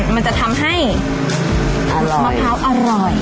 มันจะทำให้มะพร้าวอร่อย